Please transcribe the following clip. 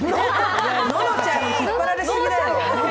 ののちゃんに引っ張られすぎだよ。